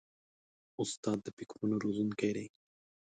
استاد د فکرونو روزونکی دی.